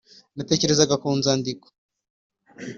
natekerezaga ku nzandiko,